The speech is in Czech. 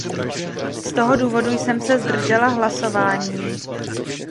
Z toho důvodu jsem se zdržela hlasování.